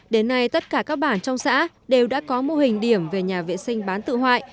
đến nay tất cả các bản trong xã đều đã có mô hình điểm về nhà vệ sinh bán tự hoại